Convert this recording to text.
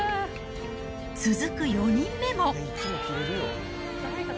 続く４人目も。